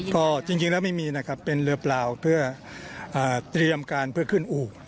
ก็จริงแล้วไม่มีนะครับเป็นเรือเปล่าเพื่อเตรียมการเพื่อขึ้นอู่